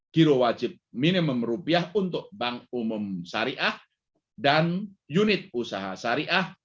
giro wajib minimum rupiah untuk bank umum syariah dan unit usaha syariah